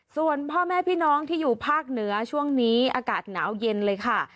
ส่วนพ่อแม่พี่น้องที่อยู่ภาคเหนือช่วงนี้อากาศหนาวเย็นเลยค่ะ